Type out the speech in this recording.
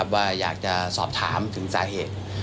ว่าอยากจะสอบถามถึงสาเหตุ